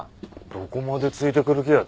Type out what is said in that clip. どこまでついてくる気だよ？